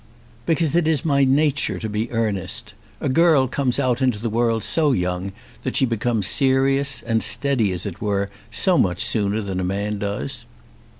"Because it is my nature to be earnest. A girl comes out into the world so young that she becomes serious, and steady as it were, so much sooner than a man does."